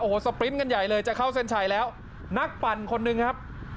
โอ้โหสปริ้นต์กันใหญ่เลยจะเข้าเส้นชัยแล้วนักปั่นคนหนึ่งครับ